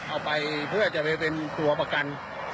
เอาไปเพื่อจะไปเป็นตัวประกัน